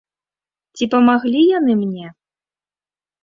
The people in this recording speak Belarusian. Ці памаглі яны мне?